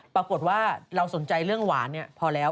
ปรากฏว่าเราสนใจเรื่องหวานพอแล้ว